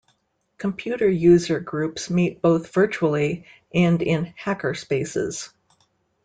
Computer user groups meet both virtually and in hackerspaces.